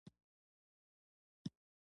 غوښتل يې خپله سيمه بدله کړي.